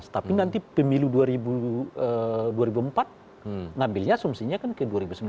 tapi nanti pemilu dua ribu empat ngambilnya asumsinya kan ke dua ribu sembilan belas